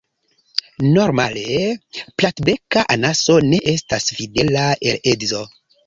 Normale Platbeka anaso ne estas fidela al edzo.